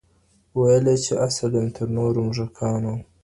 ویل چي آصل یم تر نورو موږکانو